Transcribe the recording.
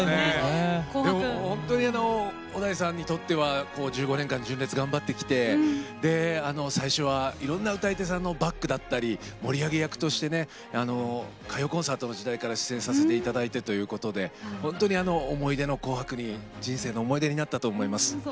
本当に小田井さんにとっては１５年間、純烈で頑張ってきて最初はいろんな歌い手さんのバックだったり盛り上げ役として「歌謡コンサート」の時代から出演させていただいてということで本当に思い出の「紅白」に人生の思い出になったと思います。